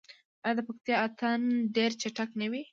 آیا د پکتیا اتن ډیر چټک نه وي؟